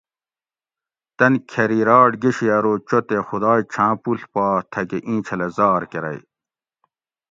تن کھیریراٹ گشی ارو چو تے خدائ چھاں پوڷ پا تھکہ ایں چھلہ زار کرئ